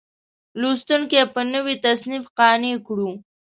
لوستونکي په نوي تصنیف قانع کړو.